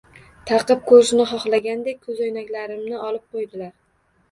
Taqib ko‘rishni xohlagandek ko‘zoynaklarimni olib qo‘ydilar.